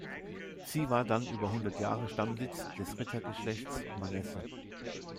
Sie war dann über hundert Jahre Stammsitz des Rittergeschlechts Manesse.